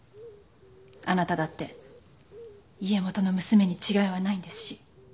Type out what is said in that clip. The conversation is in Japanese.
あなただって家元の娘に違いはないんですし。